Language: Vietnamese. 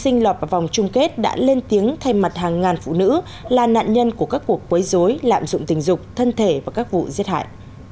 hai mươi ba thí sinh lọt vào vòng chung kết đã lên tiếng thay mặt hàng ngàn phụ nữ là nạn nhân của các cuộc quấy dối lạm dụng tình dục thân thể và các vụ giết hại